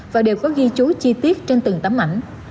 và đều có ghi chú chi tiết trên từng tấm ảnh